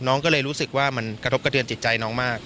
น้องก็เลยรู้สึกว่ามันกระทบกระเทือนจิตใจน้องมาก